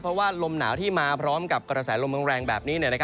เพราะว่าลมหนาวที่มาพร้อมกับกระแสลมแรงแบบนี้